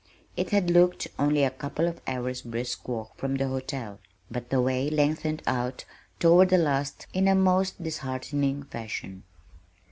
It had looked only a couple of hours' brisk walk from the hotel, but the way lengthened out toward the last in a most disheartening fashion.